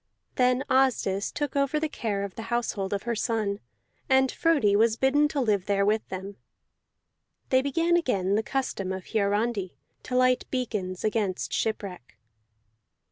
Then Asdis took over the care of the household of her son, and Frodi was bidden to live there with them. They began again the custom of Hiarandi, to light beacons against shipwreck.